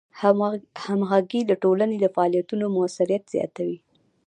همغږي د ټولنې د فعالیتونو موثریت زیاتوي.